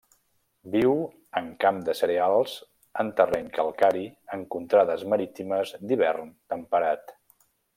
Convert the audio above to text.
Viu en camps de cereals en terreny calcari en contrades marítimes d'hivern temperat.